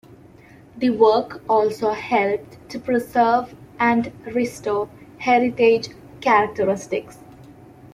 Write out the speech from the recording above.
The work also helped to preserve and restore heritage characteristics.